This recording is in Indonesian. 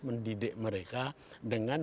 mendidik mereka dengan